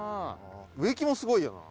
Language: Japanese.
植木もすごいよな。